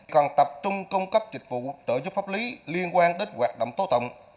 còn tập trung cung cấp dịch vụ trợ giúp pháp lý liên quan đến hoạt động tố tộng